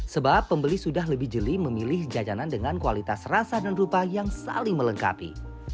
sebab pembeli sudah lebih jeli memilih jajanan dengan kualitas rasa dan rupa yang saling melengkapi